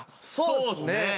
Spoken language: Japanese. そうですね。